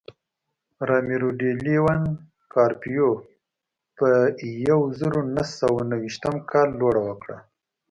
رامیرو ډي لیون کارپیو په یوه زرو نهه سوه نهه ویشتم کال لوړه وکړه.